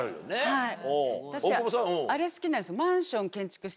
はい。